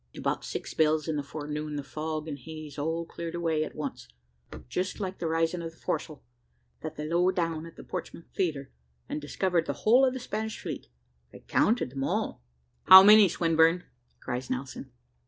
About six bells in the forenoon, the fog and haze all cleared away at once, just like the rising of the foresail, that they lower down at the Portsmouth Theatre, and discovered the whole of the Spanish fleet. I counted them all. `How many, Swinburne?' cries Nelson.